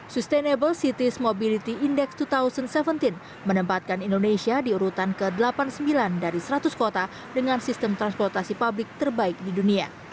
sustainable cities mobility index dua ribu tujuh belas menempatkan indonesia di urutan ke delapan puluh sembilan dari seratus kota dengan sistem transportasi publik terbaik di dunia